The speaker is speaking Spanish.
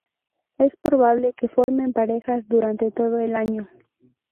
Es probable que formen parejas durante todo el año.